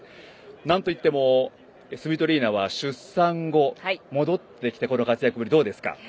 なんといってもスビトリーナは出産後、戻ってきてこの活躍ぶり、どうですか？